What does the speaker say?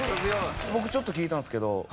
僕ちょっと聞いたんですけどあっ